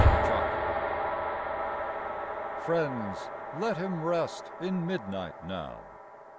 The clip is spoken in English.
ILICET Friends, let him rest In midnight now.